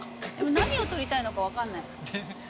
何撮りたいんだか分かんない。